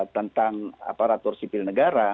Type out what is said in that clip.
tentang aparatur sipil negara